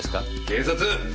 警察！